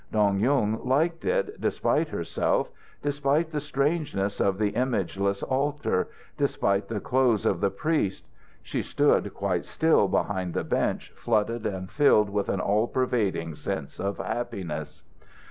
Dong Yung liked it, despite herself, despite the strangeness of the imageless altar, despite the clothes of the priest. She stood quite still behind the bench flooded and filled with an all pervading sense of happiness.